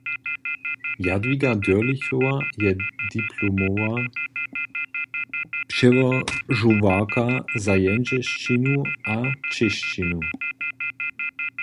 Jadwiga Dyrlichowa je diplomowa přełožowarka za jendźelšćinu a čěšćinu.